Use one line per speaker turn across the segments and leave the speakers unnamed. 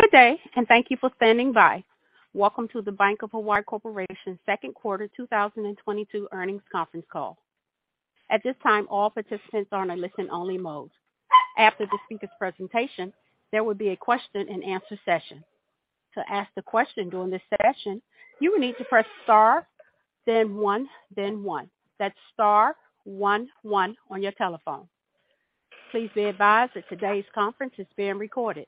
Good day, and thank you for standing by. Welcome to the Bank of Hawaii Corporation Second Quarter 2022 Earnings Conference Call. At this time, all participants are in a listen-only mode. After the speaker's presentation, there will be a question-and-answer session. To ask the question during this session, you will need to press star, then one, then one. That's star one one on your telephone. Please be advised that today's conference is being recorded.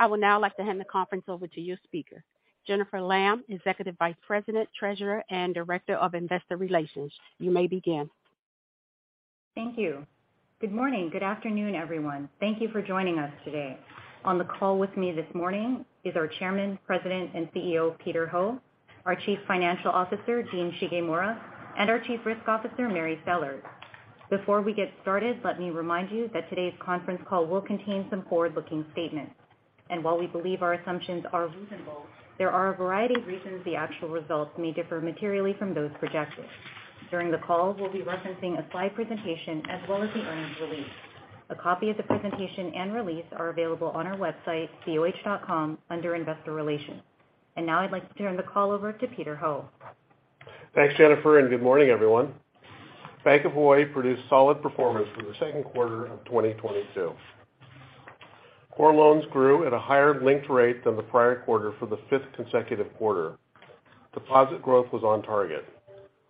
I would now like to hand the conference over to your speaker, Jennifer Lam, Executive Vice President, Treasurer, and Director of Investor Relations. You may begin.
Thank you. Good morning. Good afternoon, everyone. Thank you for joining us today. On the call with me this morning is our Chairman, President, and CEO, Peter Ho, our Chief Financial Officer, Dean Shigemura, and our Chief Risk Officer, Mary Sellers. Before we get started, let me remind you that today's conference call will contain some forward-looking statements. While we believe our assumptions are reasonable, there are a variety of reasons the actual results may differ materially from those projected. During the call, we'll be referencing a slide presentation as well as the earnings release. A copy of the presentation and release are available on our website, boh.com, under Investor Relations. Now I'd like to turn the call over to Peter Ho.
Thanks, Jennifer, and good morning, everyone. Bank of Hawaii produced solid performance for the second quarter of 2022. Core loans grew at a higher linked rate than the prior quarter for the fifth consecutive quarter. Deposit growth was on target.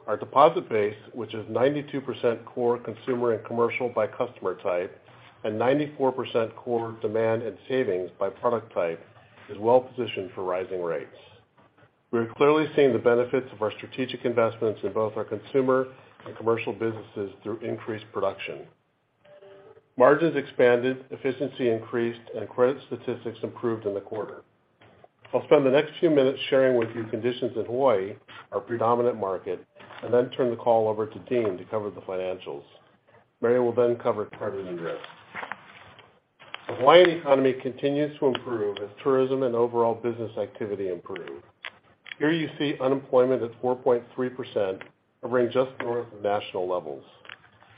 Our deposit base, which is 92% core consumer and commercial by customer type and 94% core demand and savings by product type, is well positioned for rising rates. We are clearly seeing the benefits of our strategic investments in both our consumer and commercial businesses through increased production. Margins expanded, efficiency increased, and credit statistics improved in the quarter. I'll spend the next few minutes sharing with you conditions in Hawaii, our predominant market, and then turn the call over to Dean to cover the financials. Mary will then cover credit and risk. The Hawaiian economy continues to improve as tourism and overall business activity improve. Here you see unemployment at 4.3% hovering just north of national levels.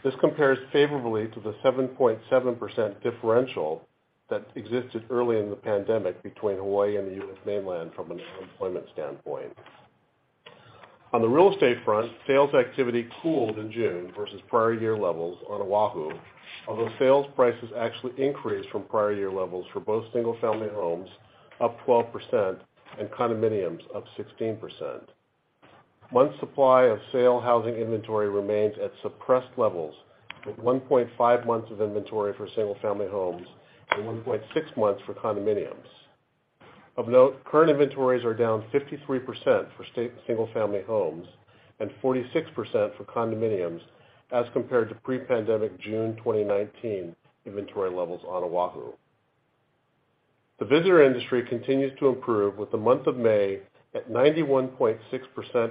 This compares favorably to the 7.7% differential that existed early in the pandemic between Hawaii and the U.S. mainland from an unemployment standpoint. On the real estate front, sales activity cooled in June versus prior year levels on Oahu, although sales prices actually increased from prior year levels for both single-family homes, up 12%, and condominiums, up 16%. Months supply of sale housing inventory remains at suppressed levels, with 1.5 months of inventory for single-family homes and 1.6 months for condominiums. Of note, current inventories are down 53% for single-family homes and 46% for condominiums as compared to pre-pandemic June 2019 inventory levels on Oahu. The visitor industry continues to improve with the month of May at 91.6%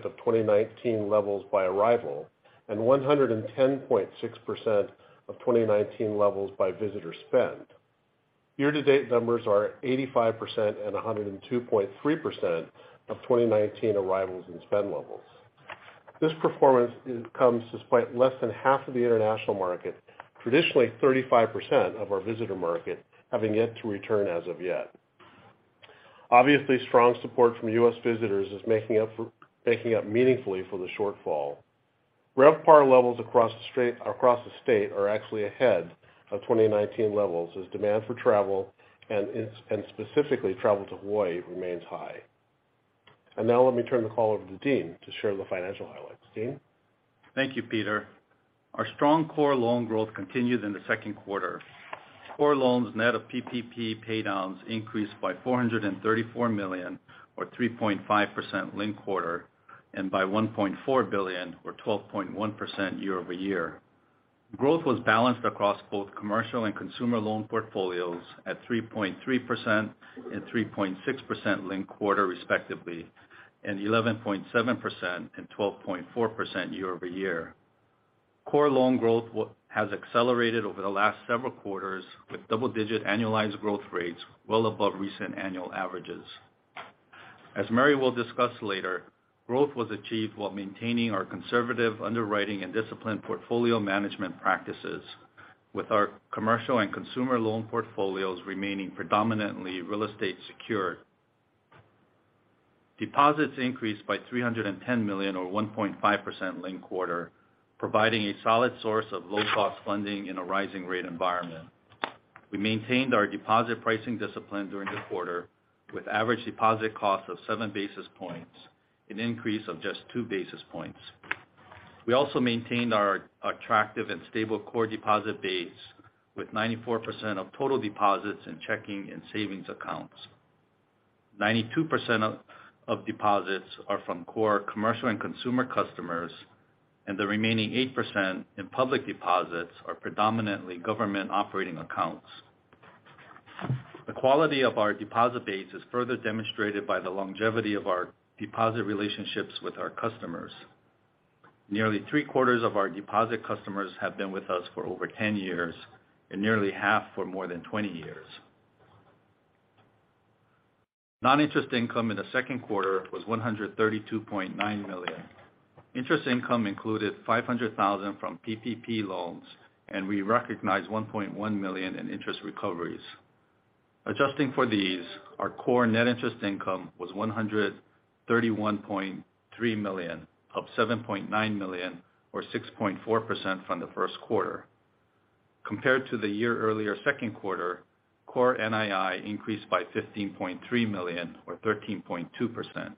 of 2019 levels by arrival and 110.6% of 2019 levels by visitor spend. Year-to-date numbers are 85% and 102.3% of 2019 arrivals and spend levels. This performance comes despite less than half of the international market, traditionally 35% of our visitor market, having yet to return as of yet. Obviously, strong support from U.S. visitors is making up meaningfully for the shortfall. RevPAR levels across the state are actually ahead of 2019 levels as demand for travel and specifically travel to Hawaii remains high. Now let me turn the call over to Dean to share the financial highlights. Dean?
Thank you, Peter. Our strong core loan growth continued in the second quarter. Core loans net of PPP paydowns increased by $434 million or 3.5% linked-quarter and by $1.4 billion or 12.1% year-over-year. Growth was balanced across both commercial and consumer loan portfolios at 3.3% and 3.6% linked-quarter, respectively, and 11.7% and 12.4% year-over-year. Core loan growth has accelerated over the last several quarters with double-digit annualized growth rates well above recent annual averages. As Mary will discuss later, growth was achieved while maintaining our conservative underwriting and disciplined portfolio management practices with our commercial and consumer loan portfolios remaining predominantly real estate secured. Deposits increased by $310 million or 1.5% linked quarter, providing a solid source of low-cost funding in a rising rate environment. We maintained our deposit pricing discipline during the quarter with average deposit cost of 7 basis points, an increase of just 2 basis points. We also maintained our attractive and stable core deposit base with 94% of total deposits in checking and savings accounts. 92% of deposits are from core commercial and consumer customers, and the remaining 8% in public deposits are predominantly government operating accounts. The quality of our deposit base is further demonstrated by the longevity of our deposit relationships with our customers. Nearly 3/4 of our deposit customers have been with us for over 10 years and nearly 1/2 for more than 20 years. Non-interest income in the second quarter was $132.9 million. Interest income included $500,000 from PPP loans, and we recognized $1.1 million in interest recoveries. Adjusting for these, our core net interest income was $131.3 million, up $7.9 million, or 6.4% from the first quarter. Compared to the year earlier second quarter, core NII increased by $15.3 million or 13.2%.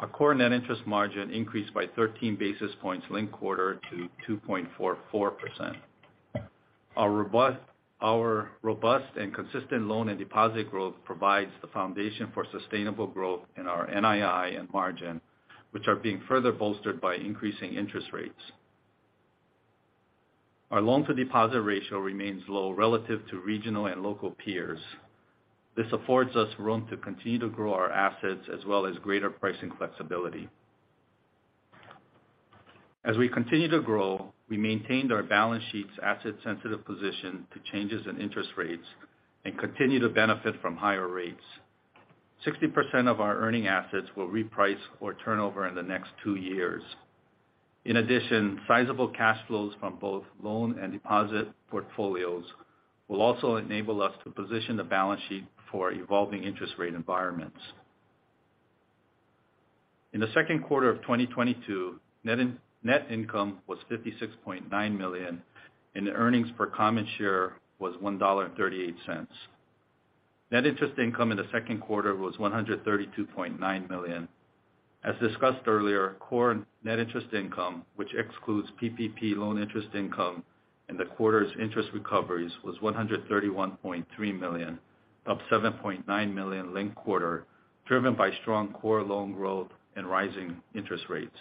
Our core net interest margin increased by thirteen basis points linked quarter to 2.44%. Our robust and consistent loan and deposit growth provides the foundation for sustainable growth in our NII and margin, which are being further bolstered by increasing interest rates. Our loan to deposit ratio remains low relative to regional and local peers. This affords us room to continue to grow our assets as well as greater pricing flexibility. As we continue to grow, we maintained our balance sheet's asset sensitive position to changes in interest rates and continue to benefit from higher rates. 60% of our earning assets will reprice or turn over in the next two years. In addition, sizable cash flows from both loan and deposit portfolios will also enable us to position the balance sheet for evolving interest rate environments. In the second quarter of 2022, net income was $56.9 million, and the earnings per common share was $1.38. Net interest income in the second quarter was $132.9 million. As discussed earlier, core net interest income, which excludes PPP loan interest income and the quarter's interest recoveries, was $131.3 million, up $7.9 million linked quarter, driven by strong core loan growth and rising interest rates.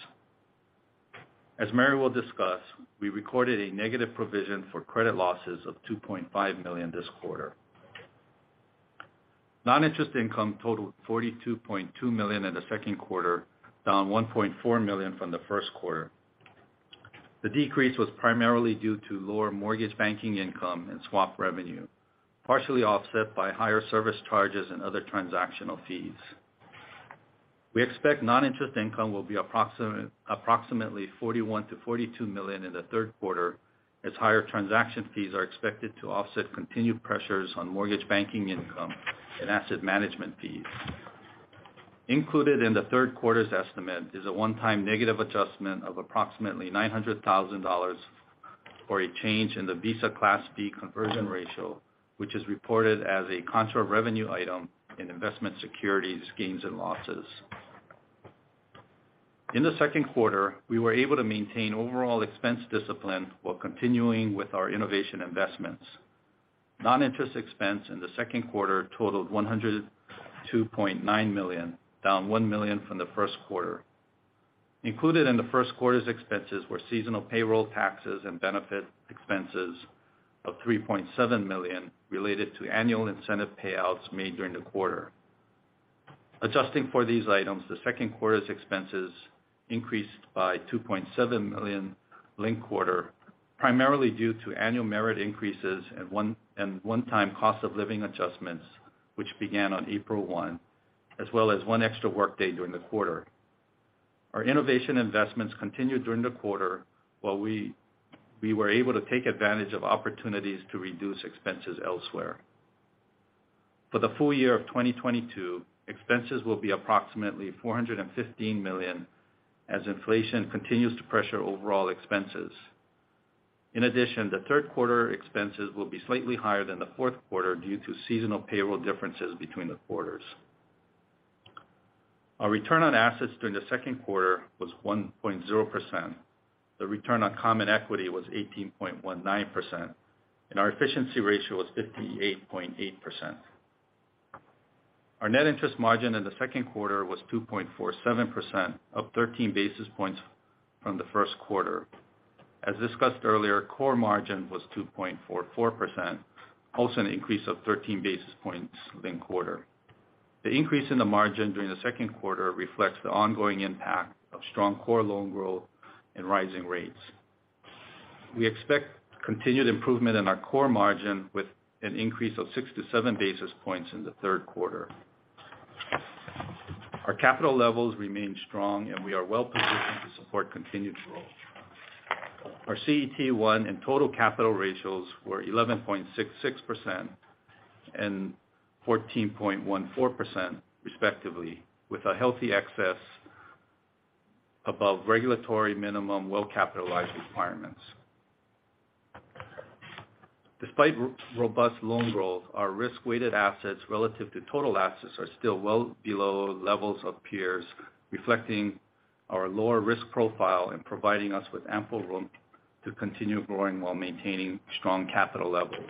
As Mary will discuss, we recorded a negative provision for credit losses of $2.5 million this quarter. Non-interest income totaled $42.2 million in the second quarter, down $1.4 million from the first quarter. The decrease was primarily due to lower mortgage banking income and swap revenue, partially offset by higher service charges and other transactional fees. We expect non-interest income will be approximately $41 million-$42 million in the third quarter, as higher transaction fees are expected to offset continued pressures on mortgage banking income and asset management fees. Included in the third quarter's estimate is a one-time negative adjustment of approximately $900,000 for a change in the Visa Class B conversion ratio, which is reported as a contra revenue item in investment securities gains and losses. In the second quarter, we were able to maintain overall expense discipline while continuing with our innovation investments. Non-interest expense in the second quarter totaled $102.9 million, down $1 million from the first quarter. Included in the first quarter's expenses were seasonal payroll taxes and benefit expenses of $3.7 million related to annual incentive payouts made during the quarter. Adjusting for these items, the second quarter's expenses increased by $2.7 million linked quarter, primarily due to annual merit increases and one-time cost of living adjustments, which began on April 1, as well as one extra work day during the quarter. Our innovation investments continued during the quarter while we were able to take advantage of opportunities to reduce expenses elsewhere. For the full year of 2022, expenses will be approximately $415 million as inflation continues to pressure overall expenses. In addition, the third quarter expenses will be slightly higher than the fourth quarter due to seasonal payroll differences between the quarters. Our return on assets during the second quarter was 1.0%. The return on common equity was 18.19%, and our efficiency ratio was 58.8%. Our net interest margin in the second quarter was 2.47%, up 13 basis points from the first quarter. As discussed earlier, core margin was 2.44%, also an increase of 13 basis points linked quarter. The increase in the margin during the second quarter reflects the ongoing impact of strong core loan growth and rising rates. We expect continued improvement in our core margin with an increase of 6-7 basis points in the third quarter. Our capital levels remain strong, and we are well positioned to support continued growth. Our CET1 and total capital ratios were 11.66% and 14.14%, respectively, with a healthy excess above regulatory minimum well-capitalized requirements. Despite robust loan growth, our risk-weighted assets relative to total assets are still well below levels of peers, reflecting our lower risk profile and providing us with ample room to continue growing while maintaining strong capital levels.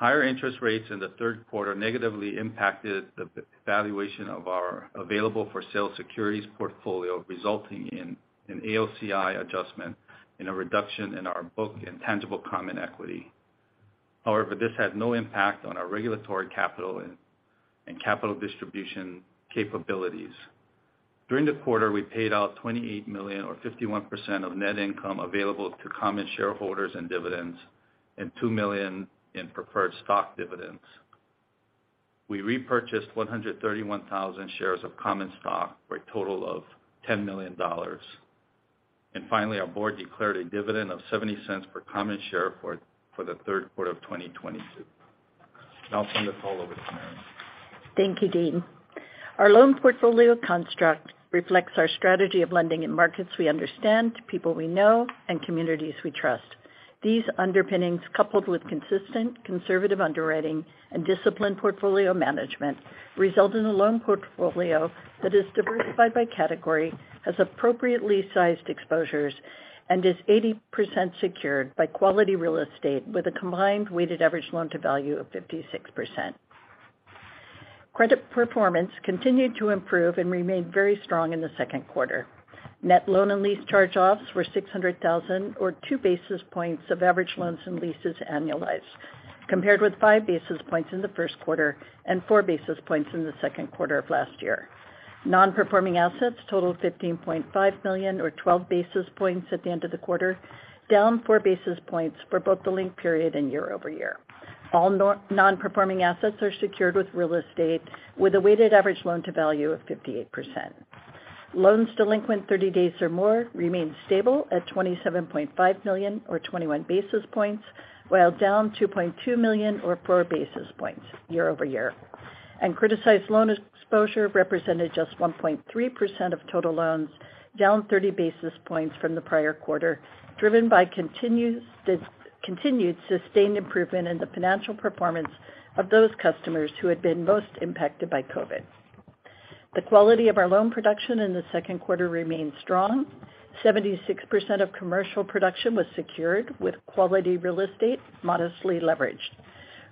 Higher interest rates in the third quarter negatively impacted the valuation of our available for sale securities portfolio, resulting in an AOCI adjustment and a reduction in our book and tangible common equity. However, this had no impact on our regulatory capital and capital distribution capabilities.
During the quarter, we paid out $28 million or 51% of net income available to common shareholders in dividends and $2 million in preferred stock dividends. We repurchased 131,000 shares of common stock for a total of $10 million. Finally, our board declared a dividend of $0.70 per common share for the third quarter of 2022. Now I'll turn the call over to Mary.
Thank you, Dean. Our loan portfolio construct reflects our strategy of lending in markets we understand, to people we know and communities we trust. These underpinnings, coupled with consistent conservative underwriting and disciplined portfolio management, result in a loan portfolio that is diversified by category, has appropriately sized exposures, and is 80% secured by quality real estate with a combined weighted average loan-to-value of 56%. Credit performance continued to improve and remained very strong in the second quarter. Net loan and lease charge-offs were $600,000 or 2 basis points of average loans and leases annualized, compared with 5 basis points in the first quarter and 4 basis points in the second quarter of last year. Non-performing assets totaled $15.5 million or 12 basis points at the end of the quarter, down 4 basis points for both the linked period and year-over-year. All non-performing assets are secured with real estate with a weighted average loan-to-value of 58%. Loans delinquent 30 days or more remained stable at $27.5 million or 21 basis points, while down $2.2 million or 4 basis points year-over-year. Criticized loan exposure represented just 1.3% of total loans, down 30 basis points from the prior quarter, driven by continued sustained improvement in the financial performance of those customers who had been most impacted by COVID. The quality of our loan production in the second quarter remained strong. 76% of commercial production was secured with quality real estate modestly leveraged.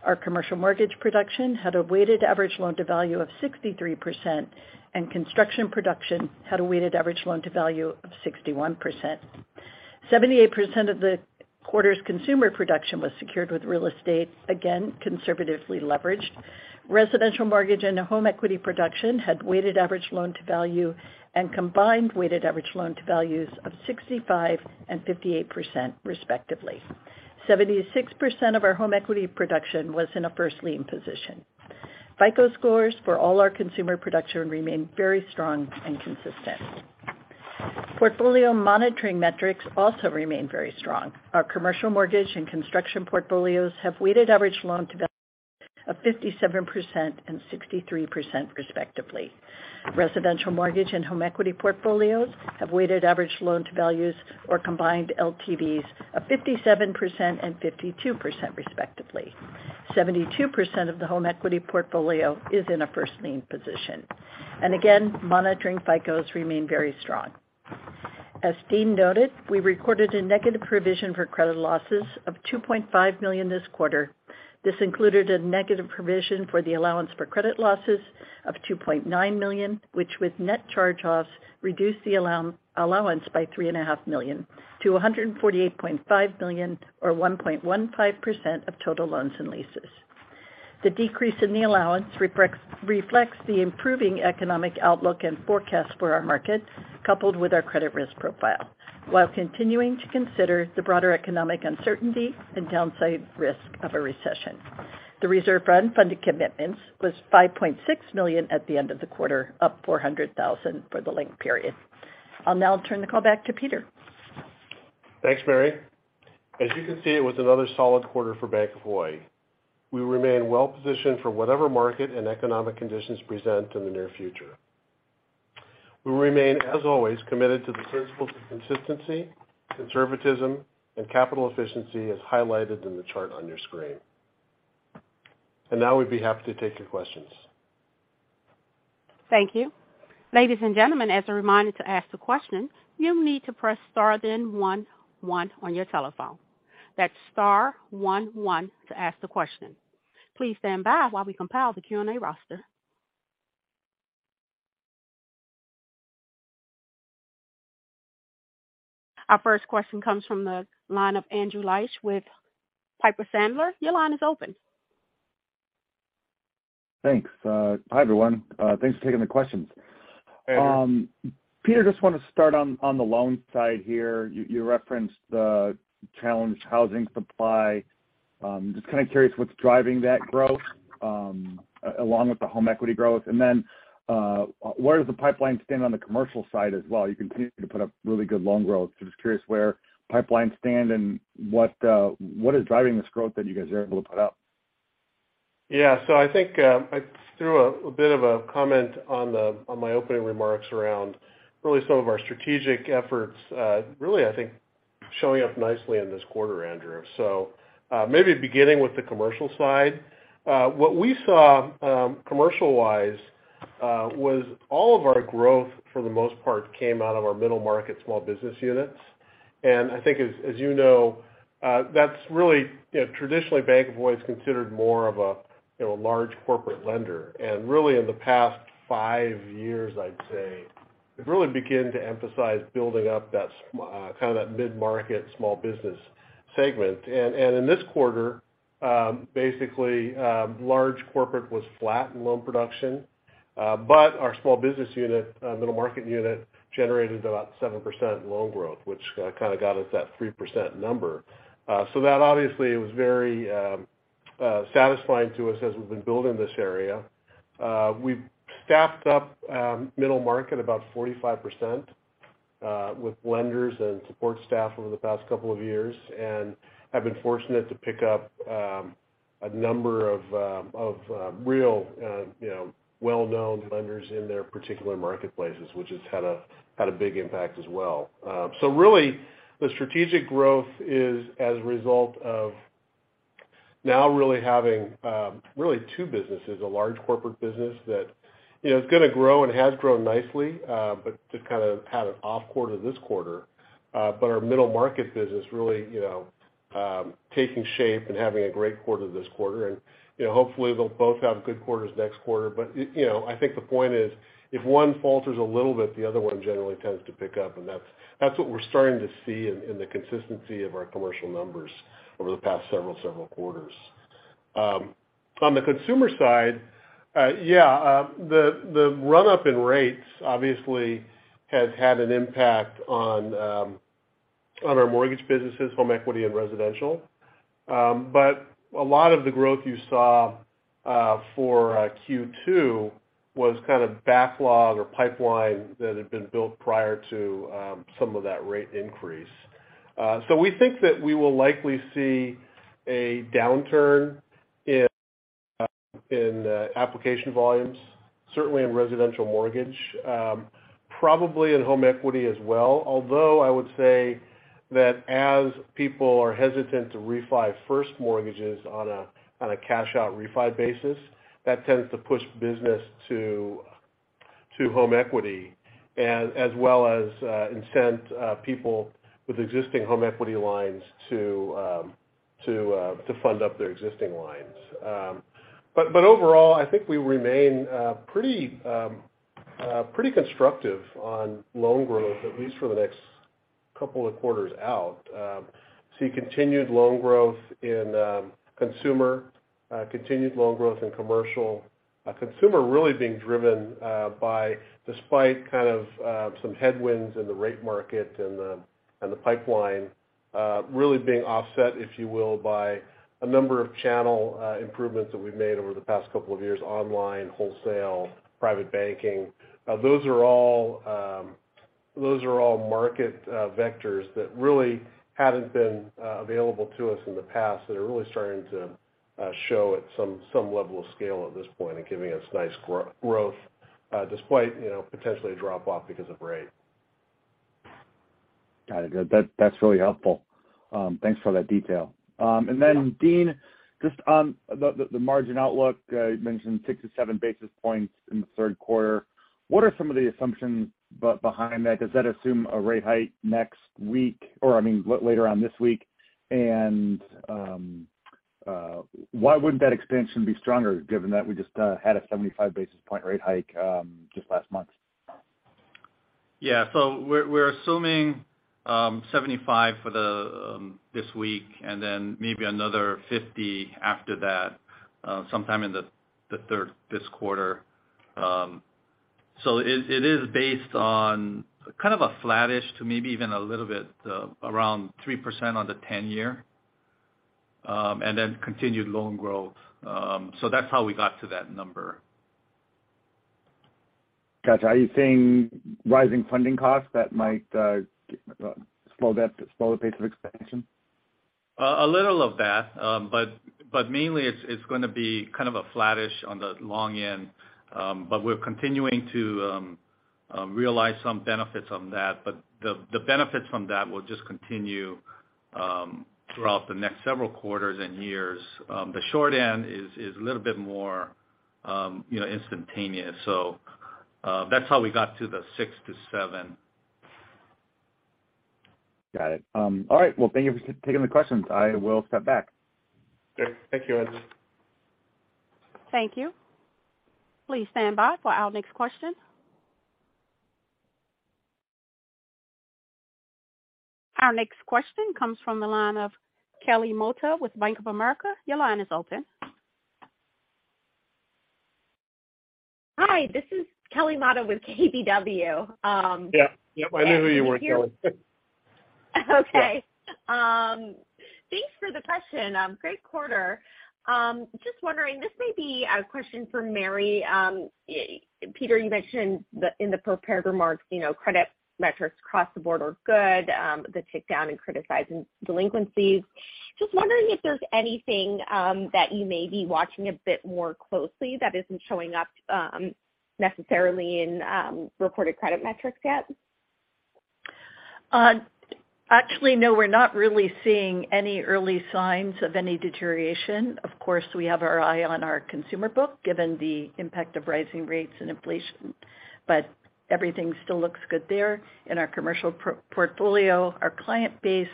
Our commercial mortgage production had a weighted average loan-to-value of 63%, and construction production had a weighted average loan-to-value of 61%. 78% of the quarter's consumer production was secured with real estate, again conservatively leveraged. Residential mortgage and home equity production had weighted average loan-to-value and combined weighted average loan-to-values of 65% and 58%, respectively. 76% of our home equity production was in a first lien position. FICO scores for all our consumer production remained very strong and consistent. Portfolio monitoring metrics also remained very strong. Our commercial mortgage and construction portfolios have weighted average loan-to-values of 57% and 63%, respectively. Residential mortgage and home equity portfolios have weighted average loan-to-values or combined LTVs of 57% and 52%, respectively. 72% of the home equity portfolio is in a first lien position. Again, monitoring FICOs remain very strong. As Dean noted, we recorded a negative provision for credit losses of $2.5 million this quarter. This included a negative provision for the allowance for credit losses of $2.9 million, which with net charge offs reduced the allowance by $3.5 million to $148.5 million or 1.15% of total loans and leases. The decrease in the allowance reflects the improving economic outlook and forecast for our market, coupled with our credit risk profile, while continuing to consider the broader economic uncertainty and downside risk of a recession. The reserve for unfunded commitments was $5.6 million at the end of the quarter, up $400,000 for the linked period. I'll now turn the call back to Peter.
Thanks, Mary. As you can see, it was another solid quarter for Bank of Hawaii. We remain well positioned for whatever market and economic conditions present in the near future. We remain, as always, committed to the principles of consistency, conservatism and capital efficiency as highlighted in the chart on your screen. Now we'd be happy to take your questions.
Thank you. Ladies and gentlemen, as a reminder to ask the question, you'll need to press star then one one on your telephone. That's star one one to ask the question. Please stand by while we compile the Q&A roster. Our first question comes from the line of Andrew Liesch with Piper Sandler. Your line is open.
Thanks. Hi, everyone. Thanks for taking the questions.
Hey, Andrew.
Peter, just want to start on the loan side here. You referenced the challenged housing supply. Just kind of curious what's driving that growth, along with the home equity growth. Where does the pipeline stand on the commercial side as well? You continue to put up really good loan growth. Just curious where pipelines stand and what is driving this growth that you guys are able to put up.
Yeah. I think I threw a bit of a comment on my opening remarks around really some of our strategic efforts, really, I think, showing up nicely in this quarter, Andrew. Maybe beginning with the commercial side. What we saw, commercial-wise, was all of our growth for the most part, came out of our middle market small business units. I think as you know, that's really, you know, traditionally Bank of Hawaii is considered more of a, you know, a large corporate lender. Really in the past five years, I'd say, we've really begin to emphasize building up that mid-market small business segment. In this quarter, basically, large corporate was flat in loan production. Our small business unit, middle market unit generated about 7% loan growth, which kind of got us that 3% number. That obviously was very satisfying to us as we've been building this area. We've staffed up middle market about 45% with lenders and support staff over the past couple of years, and have been fortunate to pick up a number of real, you know, well-known lenders in their particular marketplaces, which has had a big impact as well. Really the strategic growth is as a result of now really having really two businesses, a large corporate business that, you know, is gonna grow and has grown nicely, but just kind of had an off quarter this quarter. Our middle market business really, you know, taking shape and having a great quarter this quarter. You know, hopefully they'll both have good quarters next quarter. You know, I think the point is if one falters a little bit, the other one generally tends to pick up, and that's what we're starting to see in the consistency of our commercial numbers over the past several quarters. On the consumer side, yeah, the run-up in rates obviously has had an impact on our mortgage businesses, home equity and residential. A lot of the growth you saw for Q2 was kind of backlog or pipeline that had been built prior to some of that rate increase. We think that we will likely see a downturn in application volumes, certainly in residential mortgage, probably in home equity as well. Although I would say that as people are hesitant to refi first mortgages on a cash out refi basis, that tends to push business to home equity, and as well as incent people with existing home equity lines to fund up their existing lines. Overall, I think we remain pretty constructive on loan growth at least for the next couple of quarters out. See continued loan growth in consumer, continued loan growth in commercial. Consumer really being driven by despite kind of some headwinds in the rate market and the pipeline really being offset, if you will, by a number of channel improvements that we've made over the past couple of years, online, wholesale, private banking. Those are all market vectors that really haven't been available to us in the past that are really starting to show at some level of scale at this point and giving us nice growth despite, you know, potentially a drop off because of rate.
Got it. That's really helpful. Thanks for that detail. And then Dean, just on the margin outlook, you mentioned 6-7 basis points in the third quarter. What are some of the assumptions behind that? Does that assume a rate hike next week, or I mean, later on this week? Why wouldn't that expansion be stronger given that we just had a 75-basis point rate hike just last month?
We're assuming 75 basis points for this week and then maybe another 50 basis points after that, sometime in this quarter. It is based on kind of a flattish to maybe even a little bit around 3% on the 10-year, and then continued loan growth. That's how we got to that number.
Gotcha. Are you seeing rising funding costs that might slow the pace of expansion?
A little of that. Mainly it's gonna be kind of flattish on the long end. We're continuing to realize some benefits on that. The benefits from that will just continue throughout the next several quarters and years. The short end is a little bit more, you know, instantaneous. That's how we got to the 6-7 basis points.
Got it. All right. Well, thank you for taking the questions. I will step back.
Great. Thank you, Andrew.
Thank you. Please stand by for our next question. Our next question comes from the line of Kelly Motta with Bank of America. Your line is open.
Hi, this is Kelly Motta with KBW.
Yeah. Yep, I knew who you were, Kelly.
Okay. Thanks for the question. Great quarter. Just wondering, this may be a question for Mary. Peter, you mentioned the, in the prepared remarks, you know, credit metrics across the board are good, the tick down in criticized delinquencies. Just wondering if there's anything that you may be watching a bit more closely that isn't showing up, necessarily in, reported credit metrics yet.
Actually, no, we're not really seeing any early signs of any deterioration. Of course, we have our eye on our consumer book given the impact of rising rates and inflation, but everything still looks good there. In our commercial portfolio, our client base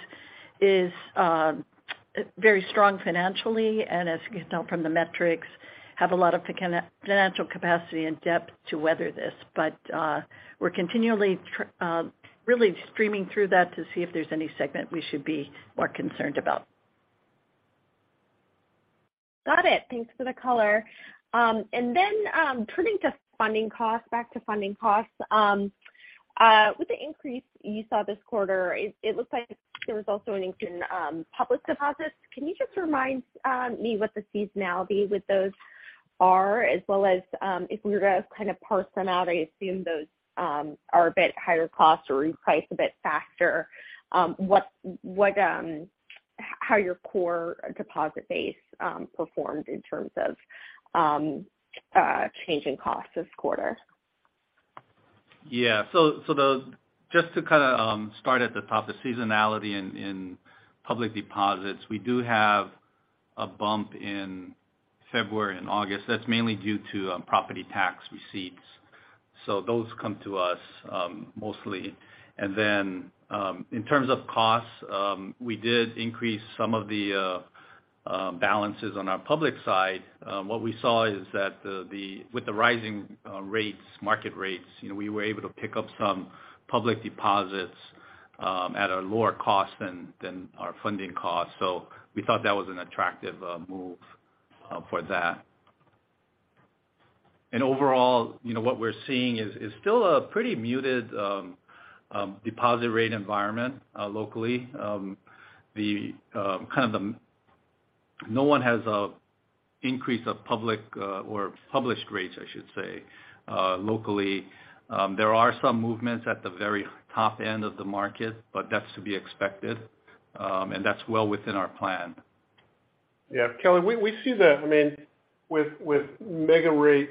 is very strong financially, and as you can tell from the metrics, have a lot of financial capacity and depth to weather this. We're continually really screening through that to see if there's any segment we should be more concerned about.
Got it. Thanks for the color. Turning to funding costs, back to funding costs. With the increase you saw this quarter, it looks like there was also an increase in public deposits. Can you just remind me what the seasonality with those are as well as, if we were to kind of parse them out, I assume those are a bit higher cost or reprice a bit faster. How your core deposit base performed in terms of changing costs this quarter?
Yeah. Just to kind of start at the top, the seasonality in public deposits, we do have a bump in February and August. That's mainly due to property tax receipts. Those come to us mostly. In terms of costs, we did increase some of the balances on our public side. What we saw is that with the rising rates, market rates, you know, we were able to pick up some public deposits at a lower cost than our funding costs. We thought that was an attractive move for that. Overall, you know, what we're seeing is still a pretty muted deposit rate environment locally. No one has an increase in publicly or published rates, I should say, locally. There are some movements at the very top end of the market, but that's to be expected. That's well within our plan.
Yeah. Kelly, we see that. I mean, with mega rate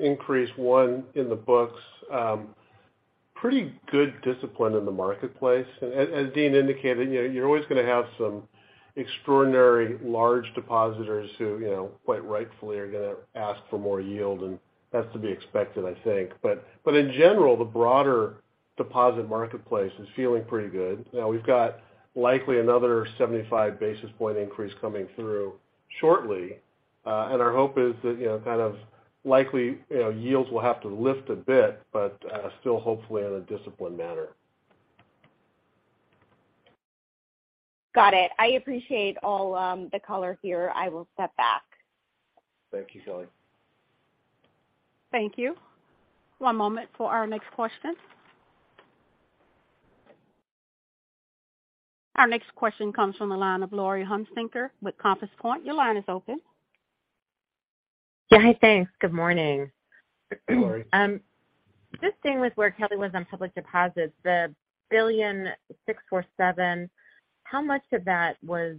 increase one in the books, pretty good discipline in the marketplace. As Dean indicated, you know, you're always gonna have some extraordinary large depositors who, you know, quite rightfully are gonna ask for more yield, and that's to be expected, I think. In general, the broader deposit marketplace is feeling pretty good. Now we've got likely another 75-basis point increase coming through shortly. Our hope is that, you know, kind of likely, you know, yields will have to lift a bit, but still hopefully in a disciplined manner.
Got it. I appreciate all the color here. I will step back.
Thank you, Kelly.
Thank you. One moment for our next question. Our next question comes from the line of Laurie Hunsicker with Compass Point. Your line is open.
Yeah. Hi. Thanks. Good morning.
Mm-hmm. Sorry.
Just staying with where Kelly was on public deposits, the $1.647 billion, how much of that was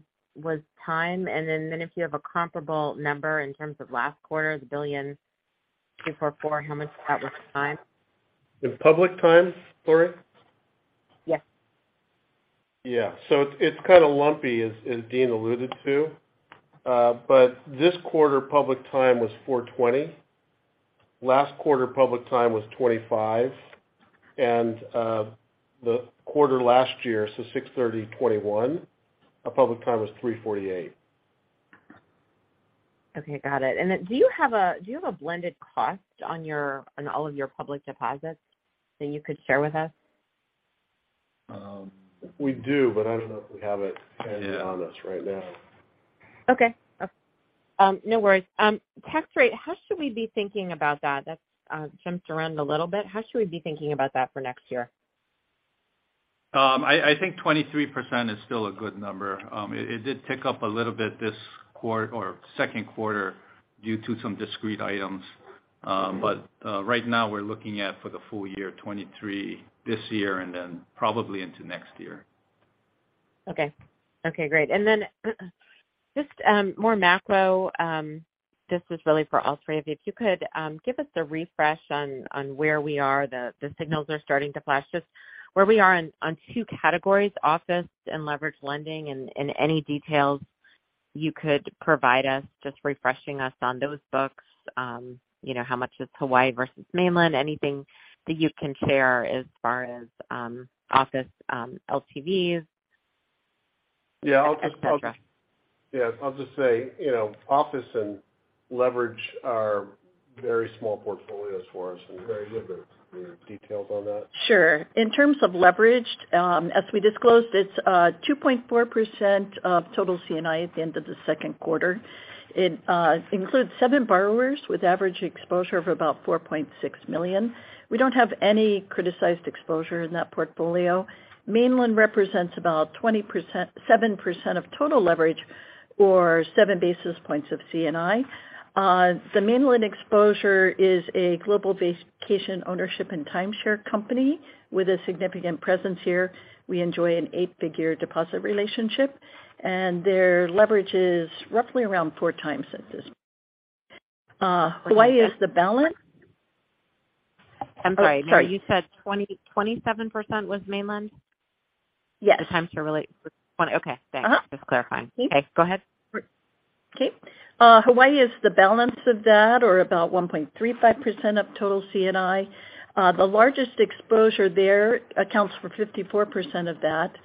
time? If you have a comparable number in terms of last quarter, the $1.244 billion, how much of that was time?
In public time, Laurie?
Yes.
Yeah. It's kind of lumpy, as Dean alluded to. This quarter public time was $420 million. Last quarter public time was $25 million. The quarter last year, so June 30, 2021, our public time was $348 million.
Okay, got it. Do you have a blended cost on all of your public deposits that you could share with us?
We do, but I don't know if we have it handy on us right now.
Okay. No worries. Tax rate, how should we be thinking about that? That's jumped around a little bit. How should we be thinking about that for next year?
I think 23% is still a good number. It did tick up a little bit this second quarter due to some discrete items. But right now we're looking at for the full year, 23% this year and then probably into next year.
Okay. Okay, great. Just more macro, this is really for all three of you. If you could give us a refresh on where we are, the signals are starting to flash. Just where we are on two categories, office and leverage lending, and any details you could provide us just refreshing us on those books. You know, how much is Hawaii versus mainland? Anything that you can share as far as office LTVs, et cetera.
Yeah. I'll just say, you know, office and leverage are very small portfolios for us and Mary, little details on that?
Sure. In terms of leverage, as we disclosed, it's 2.4% of total C&I at the end of the second quarter. It includes seven borrowers with average exposure of about $4.6 million. We don't have any criticized exposure in that portfolio. Mainland represents about 20%, 7% of total leverage or 7 basis points of C&I. The mainland exposure is a global vacation ownership and timeshare company with a significant presence here. We enjoy an eight-figure deposit relationship, and their leverage is roughly around 4x at this. Hawaii is the balance.
I'm sorry.
Sorry.
You said 27% was mainland?
Yes.
Okay, thanks.
Uh-huh.
Just clarifying.
Mm-hmm.
Okay, go ahead.
Okay. Hawaii is the balance of that or about 1.35% of total C&I. The largest exposure there accounts for 54% of that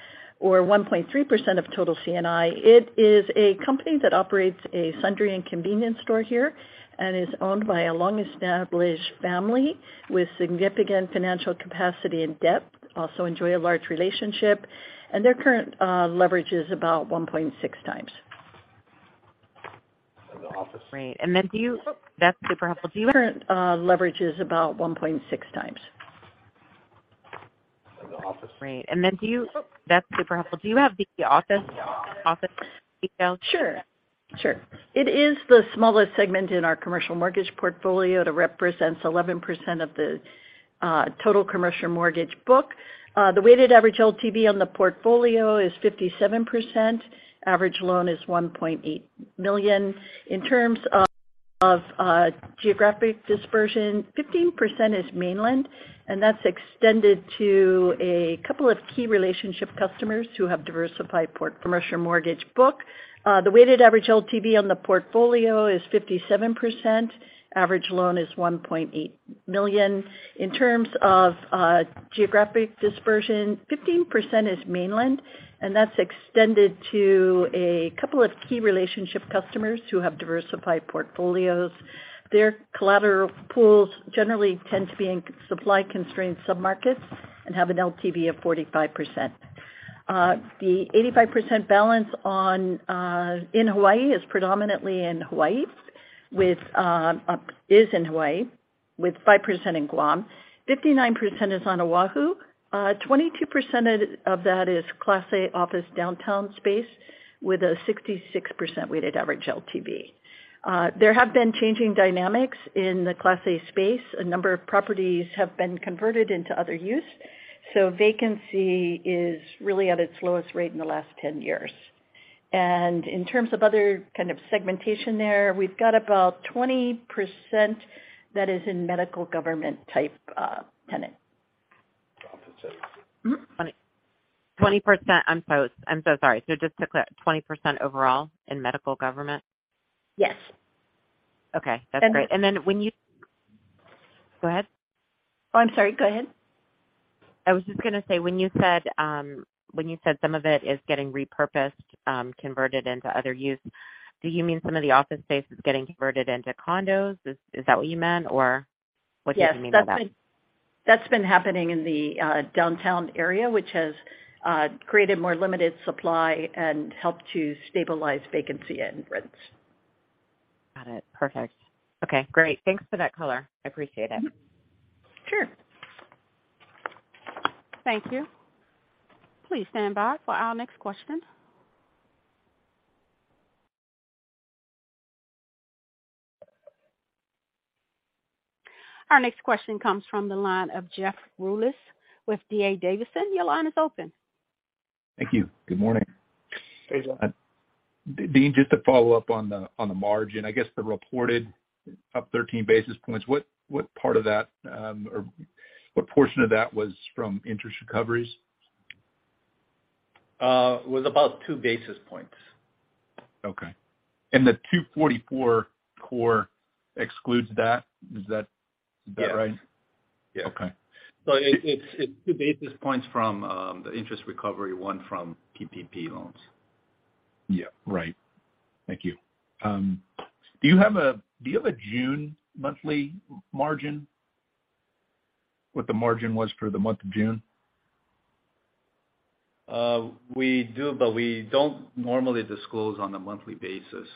or 1.3% of total C&I. It is a company that operates a sundry and convenience store here and is owned by a long-established family with significant financial capacity and depth. Also enjoy a large relationship, and their current leverage is about 1.6x.
Great. That's super helpful. Current leverage is about 1.6x.
The office.
Great. That's super helpful. Do you have the office detail?
Sure. It is the smallest segment in our commercial mortgage portfolio that represents 11% of the total commercial mortgage book. The weighted average LTV on the portfolio is 57%. Average loan is $1.8 million. In terms of geographic dispersion, 15% is mainland, and that's extended to a couple of key relationship customers who have diversified portfolios. Their collateral pools generally tend to be in supply-constrained submarkets and have an LTV of 45%. The 85% balance on, in Hawaii is predominantly in Hawaii, with 5% in Guam. 59% is on Oahu. 22% of that is Class A office downtown space with a 66% weighted average LTV. There have been changing dynamics in the Class A space. A number of properties have been converted into other use, so vacancy is really at its lowest rate in the last 10 years. In terms of other kind of segmentation there, we've got about 20% that is in medical government type tenant.
Office space.
Mm-hmm.
20%. I'm so sorry. Just to clear, 20% overall in medical government?
Yes.
Okay. That's great.
And then-
Go ahead.
Oh, I'm sorry. Go ahead....
I was just gonna say, when you said some of it is getting repurposed, converted into other use, do you mean some of the office space is getting converted into condos? Is that what you meant? Or what did you mean by that?
Yes. That's been happening in the downtown area, which has created more limited supply and helped to stabilize vacancy and rents.
Got it. Perfect. Okay, great. Thanks for that color. I appreciate it.
Sure.
Thank you. Please stand by for our next question. Our next question comes from the line of Jeff Rulis with D.A. Davidson. Your line is open.
Thank you. Good morning.
Hey, Jeff.
Dean, just to follow up on the margin. I guess the reported up 13 basis points. What part of that or what portion of that was from interest recoveries?
It was about 2 basis points.
Okay. The 244 core excludes that. Is that right?
Yes. Yes.
Okay.
It's 2 basis points from the interest recovery, 1 basis point from PPP loans.
Yeah, right. Thank you. Do you have a June monthly margin? What the margin was for the month of June?
We do, but we don't normally disclose on a monthly basis.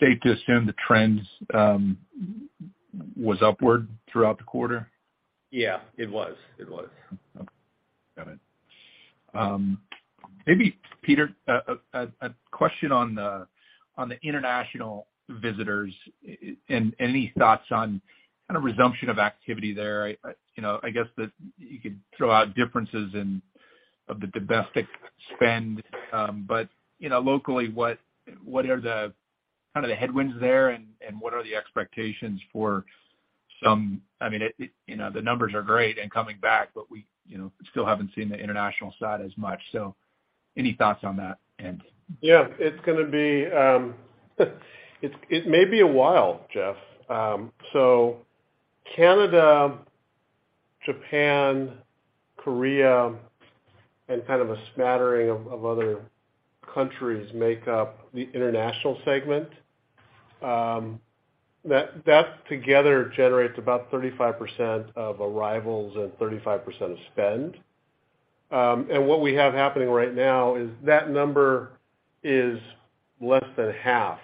Safe to assume the trends was upward throughout the quarter?
Yeah, it was.
Okay. Got it. Maybe Peter, a question on the international visitors. Any thoughts on kind of resumption of activity there. You know, I guess that you could throw out differences in the domestic spend, but you know, locally, what are the kind of headwinds there and what are the expectations for some. I mean, you know, the numbers are great and coming back, but we you know, still haven't seen the international side as much. Any thoughts on that end.
Yeah, it's gonna be a while, Jeff. Canada, Japan, Korea, and kind of a smattering of other countries make up the international segment. That together generates about 35% of arrivals and 35% of spend. What we have happening right now is that number is less than half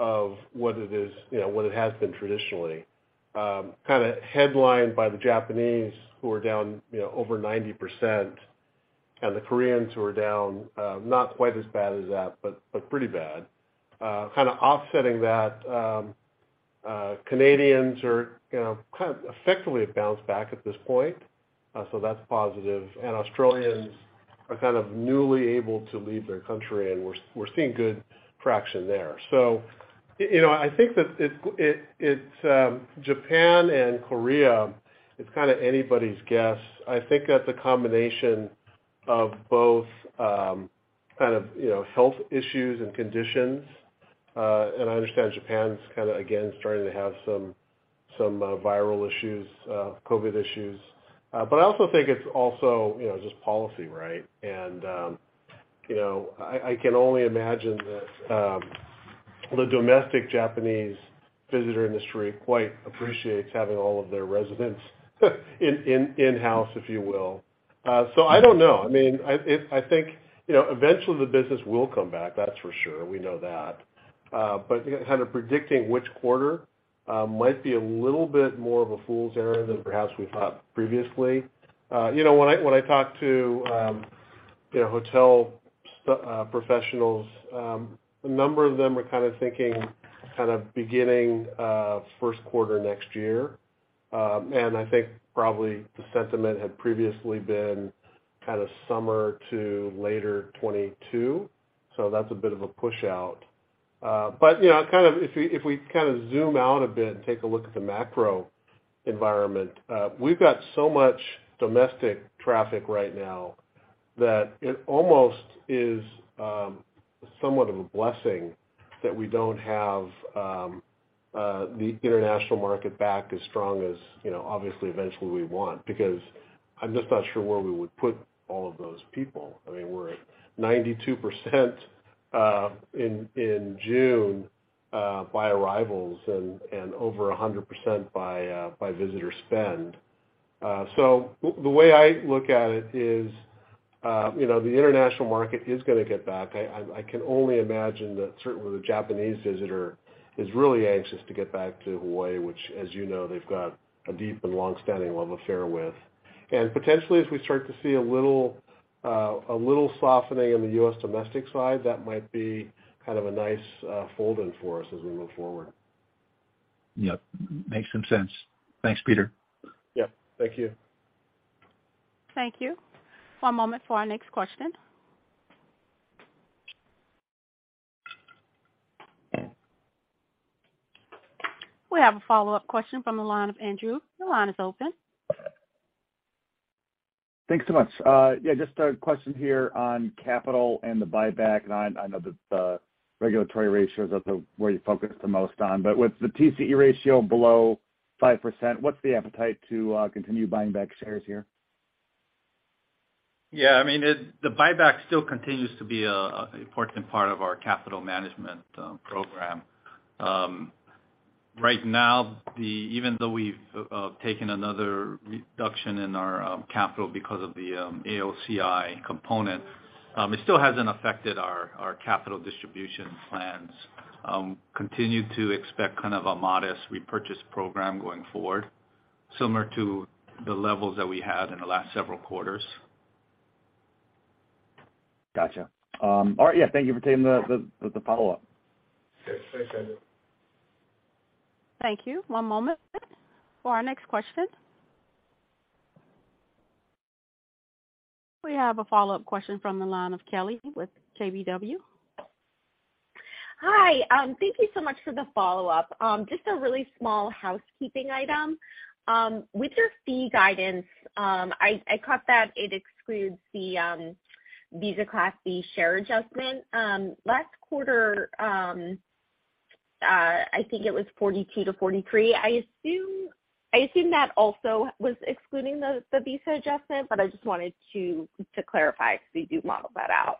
of what it is, you know, what it has been traditionally. Kinda headlined by the Japanese who are down, you know, over 90%, and the Koreans who are down, not quite as bad as that, but pretty bad. Kind of offsetting that, Canadians are, you know, kind of effectively have bounced back at this point, so that's positive. Australians are kind of newly able to leave their country, and we're seeing good traction there. You know, I think that it's Japan and Korea is kind of anybody's guess. I think that's a combination of both, kind of, you know, health issues and conditions. I understand Japan's kind of again starting to have some viral issues, COVID issues. I also think it's also, you know, just policy, right? You know, I can only imagine that the domestic Japanese visitor industry quite appreciates having all of their residents in-house, if you will. I don't know. I mean, I think, you know, eventually the business will come back, that's for sure. We know that. You know, kind of predicting which quarter might be a little bit more of a fool's errand than perhaps we thought previously. You know, when I talk to you know, hotel professionals, a number of them are kind of thinking kind of beginning first quarter next year. I think probably the sentiment had previously been kind of summer to later 2022, so that's a bit of a push out. You know, kind of if we, if we kind of zoom out a bit and take a look at the macro environment, we've got so much domestic traffic right now that it almost is somewhat of a blessing that we don't have the international market back as strong as you know, obviously eventually we want, because I'm just not sure where we would put all of those people. I mean, we're at 92% in June by arrivals and over 100% by visitor spend. The way I look at it is, you know, the international market is gonna get back. I can only imagine that certainly the Japanese visitor is really anxious to get back to Hawaii, which, as you know, they've got a deep and long-standing love affair with. Potentially, as we start to see a little softening in the U.S. domestic side, that might be kind of a nice fold in for us as we move forward.
Yep, makes some sense. Thanks, Peter.
Yep, thank you.
Thank you. One moment for our next question. We have a follow-up question from the line of Andrew. Your line is open.
Thanks so much. Yeah, just a question here on capital and the buyback. I know the regulatory ratios, that's where you focus the most on, but with the TCE ratio below 5%, what's the appetite to continue buying back shares here?
Yeah, I mean, the buyback still continues to be an important part of our capital management program. Right now, even though we've taken another reduction in our capital because of the AOCI component, it still hasn't affected our capital distribution plans. Continue to expect kind of a modest repurchase program going forward, similar to the levels that we had in the last several quarters.
Gotcha. All right, yeah. Thank you for taking the follow-up.
Yes. Thanks, Andrew.
Thank you. One moment for our next question. We have a follow-up question from the line of Kelly Motta with KBW.
Hi. Thank you so much for the follow-up. Just a really small housekeeping item. With your fee guidance, I caught that it excludes the Visa Class B share adjustment. Last quarter, I think it was $42 million-$43 million. I assume that also was excluding the Visa adjustment, but I just wanted to clarify 'cause we do model that out.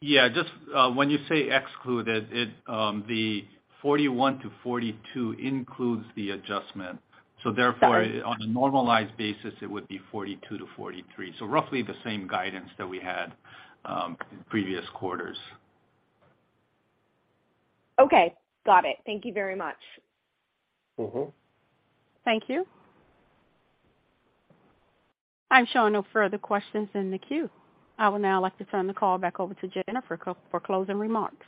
Yeah, just when you say excluded, the $41 million-$42 million includes the adjustment. Therefore
Got it.
On a normalized basis, it would be $42 million-$43 million. Roughly the same guidance that we had in previous quarters.
Okay. Got it. Thank you very much.
Mm-hmm.
Thank you. I'm showing no further questions in the queue. I would now like to turn the call back over to Jennifer Lam for closing remarks.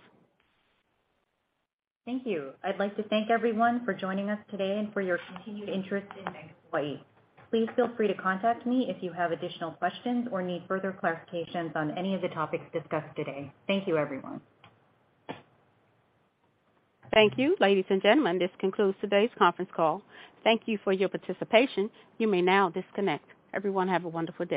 Thank you. I'd like to thank everyone for joining us today and for your continued interest in Bank of Hawaii. Please feel free to contact me if you have additional questions or need further clarifications on any of the topics discussed today. Thank you, everyone.
Thank you. Ladies and gentlemen, this concludes today's conference call. Thank you for your participation. You may now disconnect. Everyone have a wonderful day.